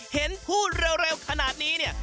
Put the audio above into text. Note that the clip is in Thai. เห็นพูดเร็วขนาดนี้เนี่ย